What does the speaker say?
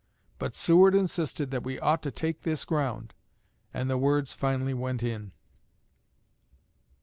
But Seward insisted that we ought to take this ground, and the words finally went in."